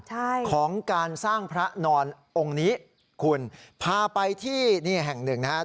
ใช่ของการสร้างพระนอนองค์นี้คุณพาไปที่นี่แห่งหนึ่งนะครับ